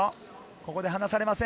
ここで離されません。